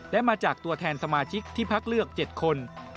และมาจากตัวแทนสมาชิกที่พักเลือก๗คน